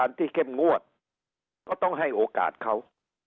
ที่เข้มงวดก็ต้องให้โอกาสเขา